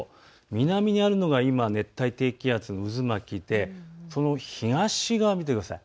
南にあるのが今、熱帯低気圧の渦巻きでその東側を見てください。